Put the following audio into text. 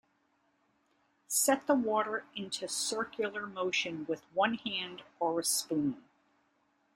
Set the water into circular motion with one hand or a spoon.